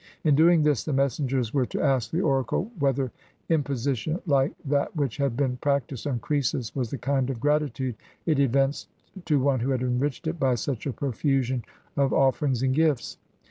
In doing this, the messengers were to ask the oracle whether imposition like that which had been practiced on Croesus was the kind of gratitude it evinced to one who had enriched it by such a profusion of offer ings and gifts.